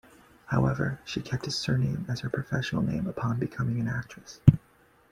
However, she kept his surname as her professional name upon becoming an actress.